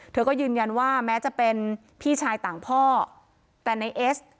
เธอก็ยืนยันว่าแม้จะเป็นพี่ชายต่างพ่อแต่ในเอส